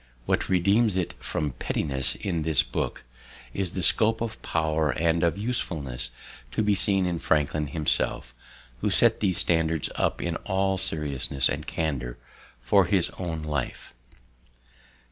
What redeems it from pettiness in this book is the scope of power and of usefulness to be seen in Franklin himself, who set these standards up in all seriousness and candor for his own life."